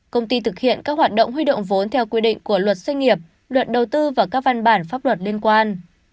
công ty thực hiện các hoạt động huy động vốn theo quy định của luật doanh nghiệp luật đầu tư và các văn bản pháp luật liên quan